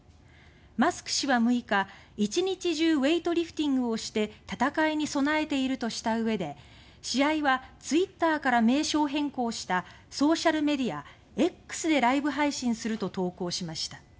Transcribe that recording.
マスク氏は６日「一日中ウェイトリフティングをして戦いに備えている」とした上で試合はツイッターから名称変更したソーシャルメディア「Ｘ」でライブ配信すると投稿しました。